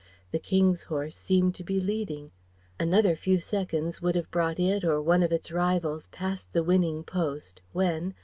The King's horse seemed to be leading, another few seconds would have brought it or one of its rivals past the winning post, when